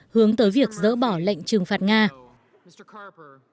hướng tới việc giải trừ vũ khí hạt nhân giữa washington và moscow